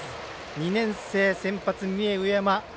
２年生先発、三重、上山。